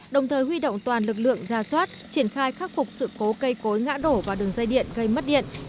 đồng thời huy động toàn lực lượng ra soát triển khai khắc phục sự cố cây cối ngã đổ vào đường dây điện gây mất điện